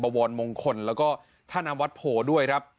วรมงคลแล้วก็ท่าน้ำวัดโพด้วยครับ